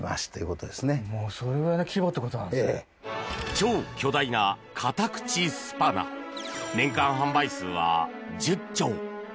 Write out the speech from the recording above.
超巨大な片口スパナ年間販売数は１０丁。